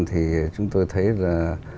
thì chúng tôi thấy là